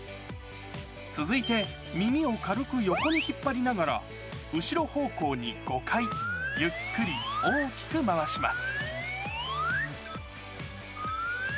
続いて、耳を軽く横に引っ張りながら後ろ方向に５回、ゆっくり大きく回します。